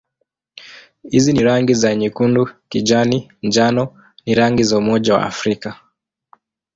Hizi rangi za nyekundu-kijani-njano ni rangi za Umoja wa Afrika.